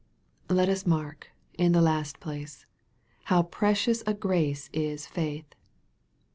Let us mark, in the last place, how precious a grace is faith.